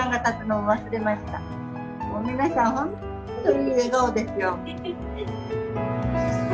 もう皆さん本当いい笑顔ですよ。